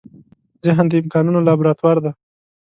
ذهن د امکانونو لابراتوار دی.